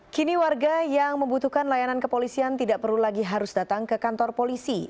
kini warga yang membutuhkan layanan kepolisian tidak perlu lagi harus datang ke kantor polisi